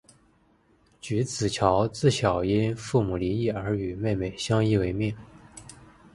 菊梓乔自小因父母离异而与妹妹相依为命。